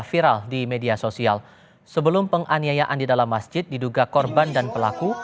viral di media sosial sebelum penganiayaan di dalam masjid diduga korban dan pelaku